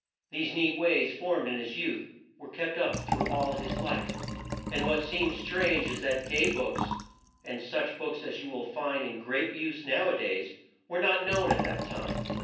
These neat ways, formed in his youth, were kept up through all his life, and what seems strange is that day books, and such books as you will find in great use now a days were not known at that time.